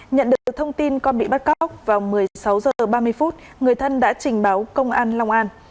nhận được thông tin con bị bắt cóc vào một mươi sáu h ba mươi phút người thân đã trình báo công an long an